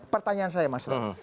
pertanyaan saya mas wendel